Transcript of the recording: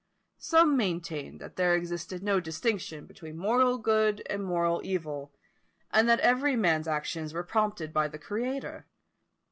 Some maintained that there existed no distinction between moral good and moral evil; and that every man's actions were prompted by the Creator.